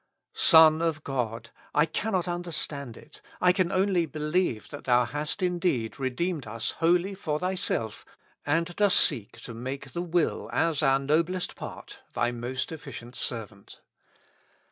Son of God ! I cannot understand it; I can only believe that Thou hast indeed redeemed us wholly for Thyself, and dost seek to make the will, as our noblest part, Thy most efficient servant.